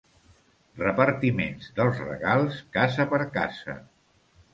Repartiments dels regals casa per casa.